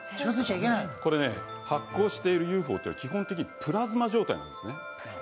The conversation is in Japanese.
これ、発光しているＵＦＯというのは基本的にプラズマ状態なんですね。